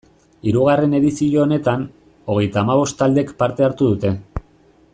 Hirugarren edizio honetan, hogeita hamabost taldek parte hartu dute.